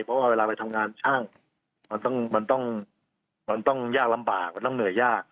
เพราะว่าเวลาไปทำงานช่างมันต้องมันต้องยากลำบากมันต้องเหนื่อยยาก